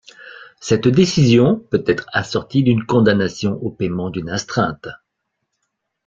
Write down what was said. Cette décision peut être assortie d'une condamnation au paiement d'une astreinte.